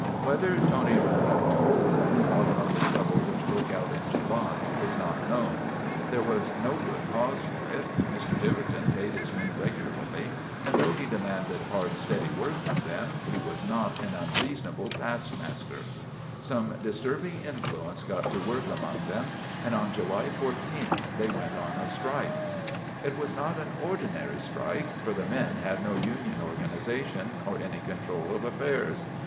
Whether Tony Rampetto was at the bottom of the trouble which broke out in July is not known. There was no good cause for it. Mr. Tiverton paid his men regularly, and though he demanded hard, steady work from them he was not an unreasonable 146 STRIKE AT TIVERTON MANOR taskmaster. Some disturbing influence got to work among them and on July i4th they went on a strike. It was not an ordinary strike, for the men had no union organization or any control of affairs.